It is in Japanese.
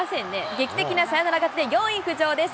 劇的なサヨナラ勝ちで４位浮上です。